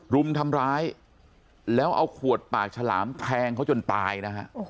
รุมทำร้ายแล้วเอาขวดปากฉลามแทงเขาจนตายนะฮะ